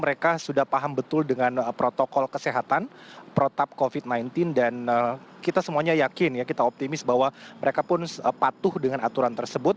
mereka sudah paham betul dengan protokol kesehatan protap covid sembilan belas dan kita semuanya yakin ya kita optimis bahwa mereka pun patuh dengan aturan tersebut